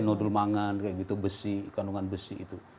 nodul mangan besi kandungan besi itu